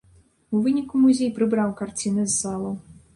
У выніку музей прыбраў карціны з залаў.